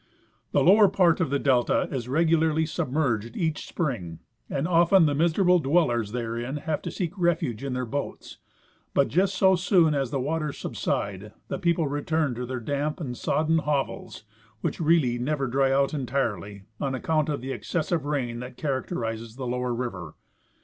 The lower part of the delta is regularly submerged each spring, and often the miserable dwellers therein have to seek refuge in their boats ; but just so soon as the waters subside the people return to their damp and sodden hovels, which really never dry out entirely, on account of the excessive rain that characterizes the lower river.